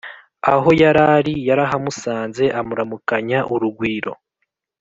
aho yarari yarahamusanze amuramukanya urugwiro